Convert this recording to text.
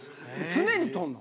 常に撮んの？